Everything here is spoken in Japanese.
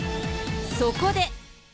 そこで。